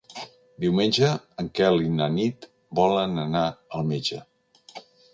Diumenge en Quel i na Nit volen anar al metge.